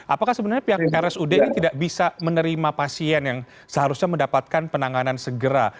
apakah sebenarnya pihak rsud ini tidak bisa menerima pasien yang seharusnya mendapatkan penanganan segera